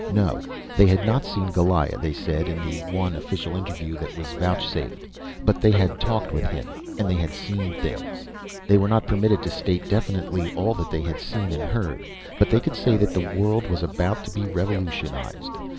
No, they had not see Goliah, they said in the one official interview that was vouchsafed; but they had talked with him, and they had seen things. They were not permitted to state definitely all that they had seen and heard, but they could say that the world was about to be revolutionized.